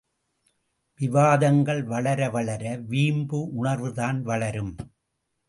விவாதங்கள் வளர வளர வீம்பு உணர்வுதான் வளரும்!